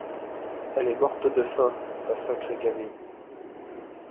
Elle est morte de faim, ta sacrée gamine.